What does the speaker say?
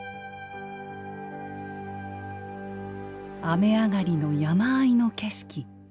雨上がりの山あいの景色。